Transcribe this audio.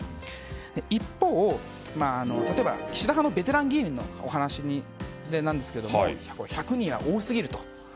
一方、岸田派のベテラン議員のお話ですが１００人は多すぎると。